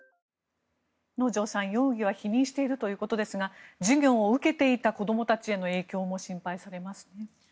能條さん、容疑は否認しているということですが授業を受けていた子どもたちへの影響も心配されますね。